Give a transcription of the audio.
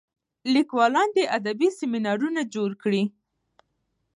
لیکوالان دي ادبي سیمینارونه جوړ کړي.